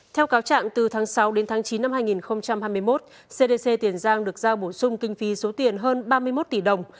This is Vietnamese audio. theo cáo trạng từ tháng sáu đến tháng chín năm hai nghìn hai mươi một cdc tiền giang được giao bổ sung kinh phí số tiền hơn ba mươi một tỷ đồng